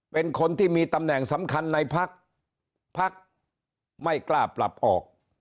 เป็นคนที่มีตำแหน่งสำคัญในพักพักไม่กล้าปรับออก